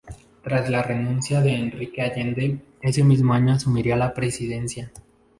Tras la renuncia de Enrique Allende, ese mismo año asumiría la presidencia.